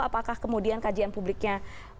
apakah kemudian kajian publiknya